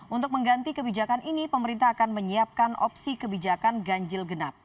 untuk mengganti kebijakan ini pemerintah akan menyiapkan opsi kebijakan ganjil genap